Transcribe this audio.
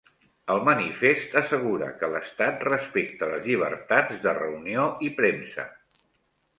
El manifest assegura que l'estat respecta les llibertats de reunió i premsa